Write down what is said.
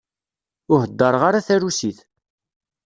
Ur hedṛeɣ ara tarusit.